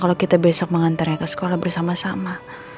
kalau kita besok mengantarnya ke sekolah bersama sama